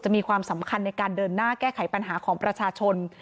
มีความสำคัญในการเดินหน้าแก้ไขปัญหาของประชาชน